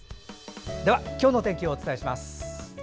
では今日の天気をお伝えします。